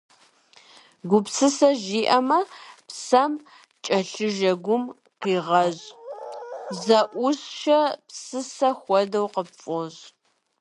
Гупсысэ жиӀэмэ, псэм кӀэлъыжэ гум къигъэщӀ, зэӀуищэ псысэ хуэдэу къыпфӀощӀ.